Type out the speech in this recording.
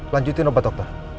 lanjutin obat dokter